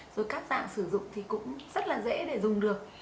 rồi các dạng sử dụng thì cũng rất là dễ để dùng được